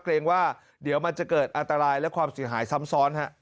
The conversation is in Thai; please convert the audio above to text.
เกรงว่าเดี๋ยวมันจะเกิดอันตรายและความเสียหายซ้ำซ้อน